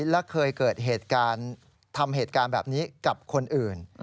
และเคยเกิดเหตุการณ์ทำเหตุการณ์แบบนี้กับคนอื่น